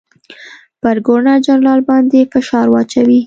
پر ګورنرجنرال باندي فشار واچوي.